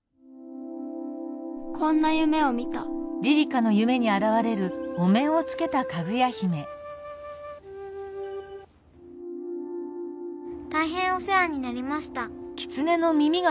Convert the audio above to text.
こんなゆめを見たたいへんおせわになりました。